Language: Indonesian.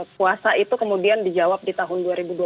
puasa itu kemudian dijawab di tahun dua ribu dua puluh